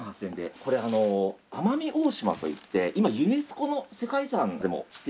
これ奄美大島といって今ユネスコの世界遺産でも指定されてる。